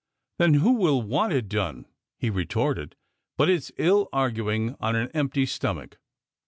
" Then who would want it done ?" he retorted; but it's ill arguing on an empty stomach.